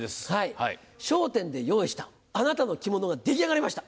『笑点』で用意したあなたの着物が出来上がりました！